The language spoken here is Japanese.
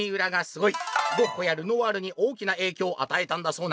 ゴッホやルノワールに大きな影響を与えたんだそうな！」。